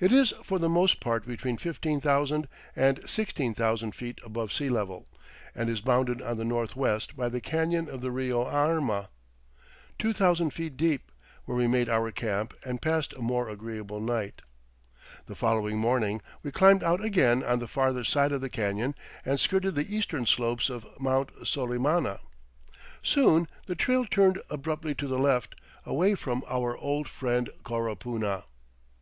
It is for the most part between 15,000 and 16,000 feet above sea level, and is bounded on the northwest by the canyon of the Rio Arma, 2000 feet deep, where we made our camp and passed a more agreeable night. The following morning we climbed out again on the farther side of the canyon and skirted the eastern slopes of Mt. Solimana. Soon the trail turned abruptly to the left, away from our old friend Coropuna.